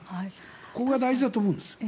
ここが大事だと思うんです。